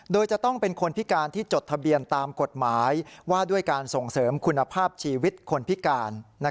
โดยจะต้องเป็นคนพิการที่จดทะเบียนตามกฎหมายว่าด้วยการส่งเสริมคุณภาพชีวิตคนพิการ